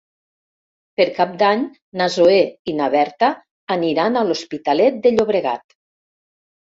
Per Cap d'Any na Zoè i na Berta aniran a l'Hospitalet de Llobregat.